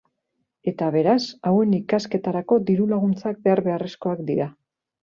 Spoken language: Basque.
Eta beraz hauen ikasketarako diru laguntzak behar beharrezkoak dira.